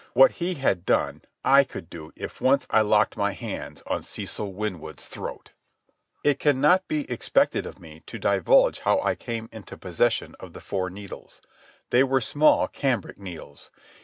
What he had done I could do if once I locked my hands on Cecil Winwood's throat. It cannot be expected of me to divulge how I came into possession of the four needles. They were small cambric needles.